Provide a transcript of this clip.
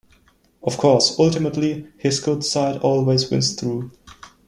Of course, ultimately, his good side always wins through.